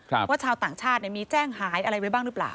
ว่าชาวต่างชาติมีแจ้งหายอะไรไว้บ้างหรือเปล่า